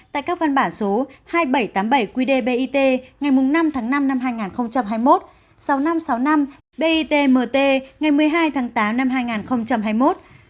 tại các văn bản số hai nghìn bảy trăm tám mươi bảy qdbit ngày năm tháng năm năm hai nghìn hai mươi một sáu nghìn năm trăm sáu mươi năm bitmt ngày một mươi hai tháng tám năm hai nghìn hai mươi một